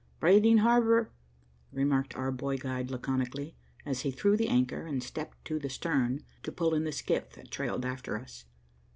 "Brading Harbor," remarked our boy guide laconically, as he threw the anchor, and stepped to the stern to pull in the skiff that trailed after us.